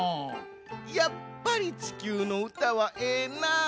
やっぱり地球のうたはええなあ。